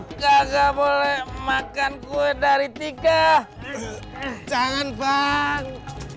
jangan lari loh lo kagak boleh makan kue dari tiga jangan bang